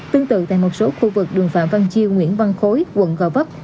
tương tự tại một số khu vực đường phạm văn chiêu nguyễn văn khối quận gò vấp